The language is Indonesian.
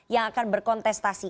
yang akan berkontestasi